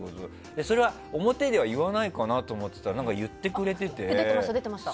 それは、表では言わないかなと思ってたら言ってくれてて。